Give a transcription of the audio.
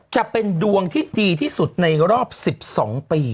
จะเป็นดวงที่ดีที่สุดในรอบ๑๒ปี